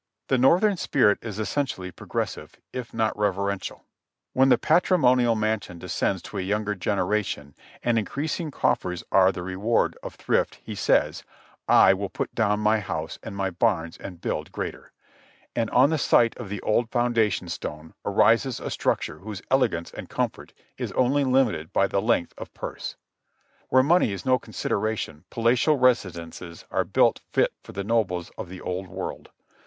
The Northern spirit is essentially progressive, if not reverential. When the patrimonial mansion descends to a younger generation and increasing coffers are the reward of thrift he says, "I will pull down my house and my barns and build greater;" PRISON UFE AT FORT WARREN 215 and on the site of the old foundation stones arises a structure whose elegance and comfort is only limited by the length of purse. Where money is no consideration, palatial residences are built fit for the nobles of the old world.